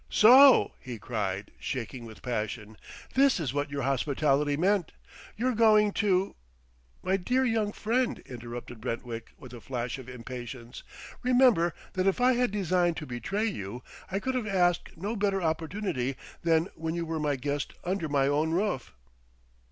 "So!" he cried, shaking with passion. "This is what your hospitality meant! You're going to " "My dear young friend," interrupted Brentwick with a flash of impatience, "remember that if I had designed to betray you, I could have asked no better opportunity than when you were my guest under my own roof."